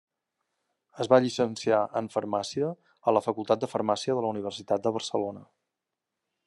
Es va llicenciar en Farmàcia a la Facultat de Farmàcia de la Universitat de Barcelona.